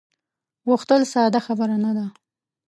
غوښتل ساده خبره نه ده.